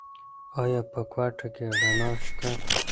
ایا په کوټه کې رڼا شته؟